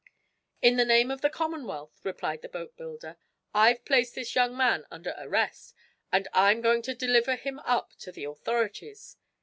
"In the name of the Commonwealth," replied the boatbuilder, "I've placed this young man under arrest, and I'm going to deliver him up to the authorities.